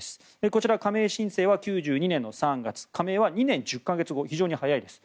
こちら、加盟申請は９２年の３月加盟は２年１０か月後非常に早いです。